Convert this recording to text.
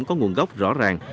có nguồn gốc rõ ràng